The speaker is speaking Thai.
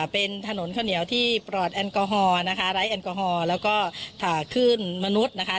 เป็นถนนข้าวเหนียวที่ร้านแอลกอฮอล์ข่าวขึ้นมนุษคร์